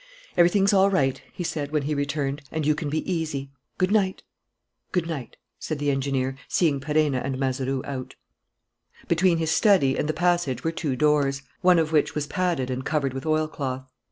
"Everything's all right," he said when he returned, "and you can be easy. Good night." "Good night," said the engineer, seeing Perenna and Mazeroux out. Between his study and the passage were two doors, one of which was padded and covered with oilcloth.